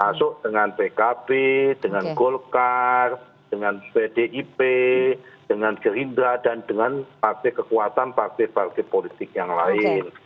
termasuk dengan pkb dengan golkar dengan pdip dengan gerindra dan dengan kekuatan partai partai politik yang lain